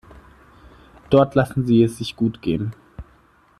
Dort lassen sie es sich gut gehen.